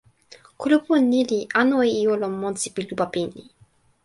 kulupu ni li anu e ijo lon monsi pi lupa pini.